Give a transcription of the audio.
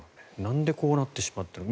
なんでこうなってしまったのか。